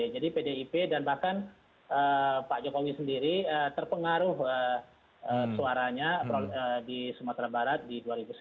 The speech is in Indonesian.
jadi pdip dan bahkan pak jokowi sendiri terpengaruh suaranya di sumatera barat di dua ribu sembilan belas